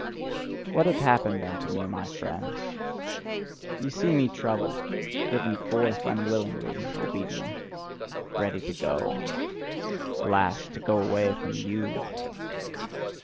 What hath happened unto me, my friends? Ye see me troubled, driven forth, unwillingly obedient, ready to go alas, to go away from YOU!